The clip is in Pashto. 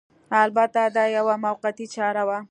البته دا یوه موقتي چاره وه